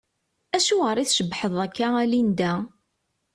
Acuɣeṛ i tcebbḥeḍ akka a Linda?